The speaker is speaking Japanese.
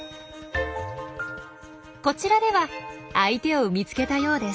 こちらでは相手を見つけたようです。